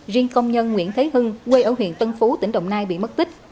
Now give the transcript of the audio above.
riêng công nhân nguyễn thế hưng quê ở huyện tân phú tỉnh đồng nai bị mất tích